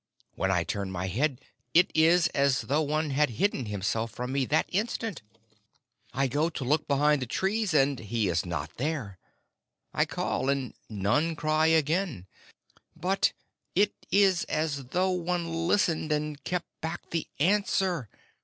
When I turn my head it is as though one had hidden himself from me that instant. I go to look behind the trees, and he is not there. I call and none cry again; but it is as though one listened and kept back the answer.